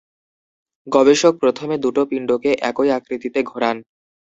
গবেষক প্রথমে দুটো পিণ্ডকে একই আকৃতিতে ঘোরান।